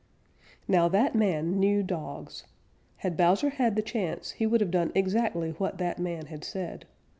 Now that man knew dogs. Had Bowser had the chance, he would have done exactly what that man had said.